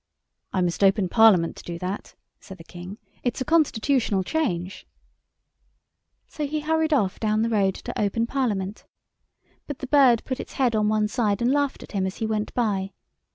"I must open Parliament to do that," said the King; "it's a Constitutional change." So he hurried off down the road to open Parliament. But the bird put its head on one side and laughed at him as he went by.